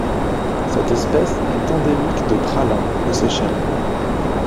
Cette espèce est endémique de Praslin aux Seychelles.